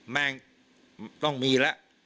แม่งต้องมีแล้ว